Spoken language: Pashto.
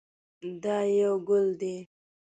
دا یو ګل دی.